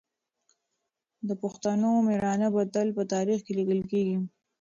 د پښتنو مېړانه به تل په تاریخ کې لیکل کېږي.